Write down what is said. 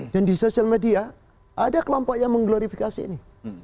dan di sosial media ada kelompok yang mengglorifikasi ini